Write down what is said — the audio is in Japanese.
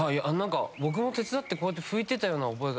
僕も手伝って拭いてたような覚えが。